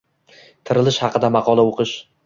tirilish haqida 👉 Maqolani o'qish